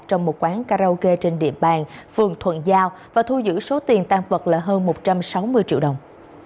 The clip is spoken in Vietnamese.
trong một quán karaoke trên địa bàn phường thuận giao và thu giữ số tiền tăng vật là hơn một trăm sáu mươi triệu đồng